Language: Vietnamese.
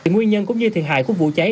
nguyên nhân cũng như thiệt hại của vụ cháy